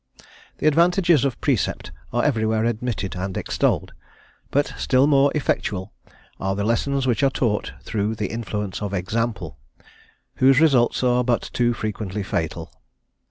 The advantages of precept are everywhere admitted and extolled; but still more effectual are the lessons which are taught through the influence of example, whose results are but too frequently fatal.